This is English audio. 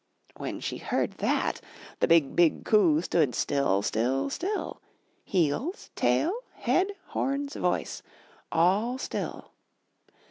When she heard that, the BIG, BIG COO stood still, still, still — heels, tail, head, horns, voice, all still.